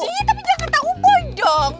iya tapi jangan tau boy dong